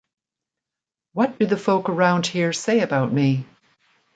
What do the folk around here say about me?